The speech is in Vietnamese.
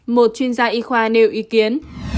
một chuyên gia y khoa nêu ý kiến